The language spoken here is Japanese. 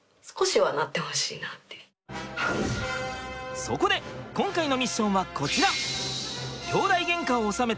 そこで今回のミッションはこちら。